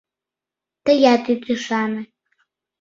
Тыят ит ӱшане!